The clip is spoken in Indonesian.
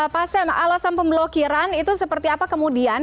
pak sam alasan pemblokiran itu seperti apa kemudian